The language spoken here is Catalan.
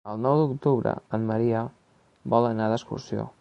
El nou d'octubre en Maria vol anar d'excursió.